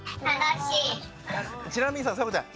ちなみにさそよかちゃん